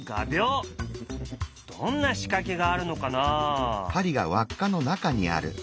どんな仕掛けがあるのかな？